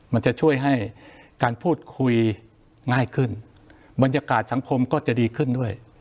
มันจะช่วยให้การพูดคุยง่ายขึ้นบรรยากาศสังคมก็จะดีขึ้นด้วย